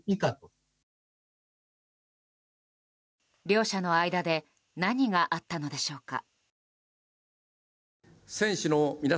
両者の間で何があったのでしょうか。